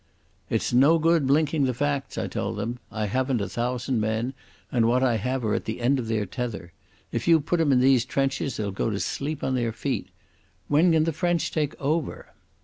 "It's no good blinking the facts," I told them. "I haven't a thousand men, and what I have are at the end of their tether. If you put 'em in these trenches they'll go to sleep on their feet. When can the French take over?"